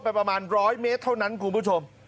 ประมาณ๑๐๐เมตรเท่านั้นคุณผู้ชม